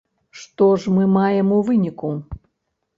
Што ж мы маем у выніку?